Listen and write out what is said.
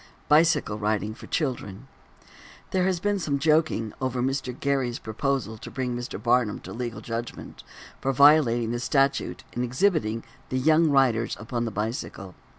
BICYCLE RIDING FOR CHILDREN There has been some joking over Mr. Gerry's proposal to bring Mr. Barnum to legal judgment for violating the statute in exhibiting the young riders upon the bicycle.